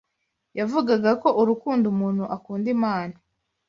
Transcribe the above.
Yavugaga ko urukundo umuntu akunda Imana